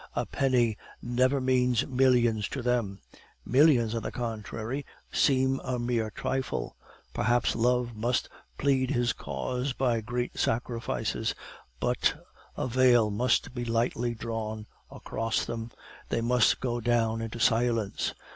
A penny never means millions to them; millions, on the contrary, seem a mere trifle. Perhaps love must plead his cause by great sacrifices, but a veil must be lightly drawn across them, they must go down into silence.